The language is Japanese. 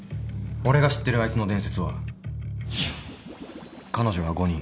俺が知ってるあいつの伝説は彼女が５人。